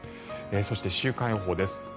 そして、週間予報です。